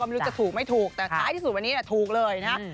ไม่รู้จะถูกไม่ถูกแต่ท้ายที่สุดวันนี้ถูกเลยนะฮะ